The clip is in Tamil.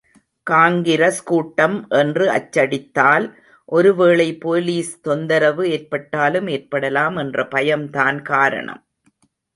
காங்கிரஸ் கூட்டம் என்று அச்சடித்தால் ஒரு வேளை போலீஸ் தொந்தரவு ஏற்பட்டாலும் ஏற்படலாம் என்ற பயம்தான் காரணம்!